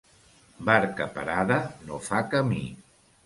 Barca parada no fa camí.